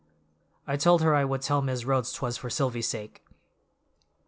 "I told her I would tell Mis' Rhodes 'twas for Silvy's sake."